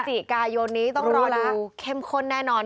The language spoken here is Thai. พฤษจิกายนต้องรอดูเข้มข้นแน่นอน